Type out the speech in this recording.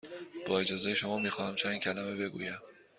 با اجازه شما، می خواهم چند کلمه بگویم.